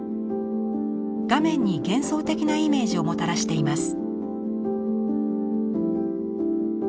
画面に幻想的なイメージをもたらしています。